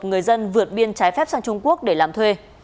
người dân vượt biên trái phép sang trung quốc để làm thuê